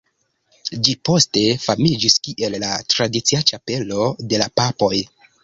Ĝi poste famiĝis kiel la tradicia ĉapelo de la papoj.